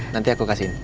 nanti aku kasihin